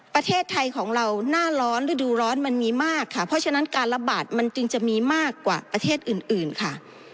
ประเทศไทยของเราหน้าร้อนฤดูร้อนมันมีมากค่ะเพราะฉะนั้นการระบาดมันจึงจะมีมากกว่าประเทศอื่นอื่นค่ะ